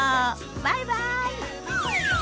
バイバイ。